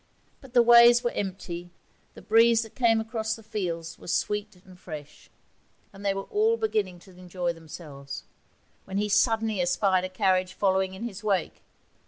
But the ways were empty, the breeze that came across the fields was fresh and sweet, and they were all beginning to enjoy themselves, when he suddenly espied a carriage following in his wake.